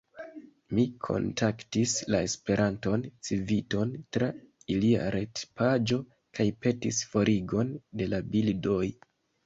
Mi kontaktis la Esperantan Civiton tra ilia retpaĝo kaj petis forigon de la bildoj.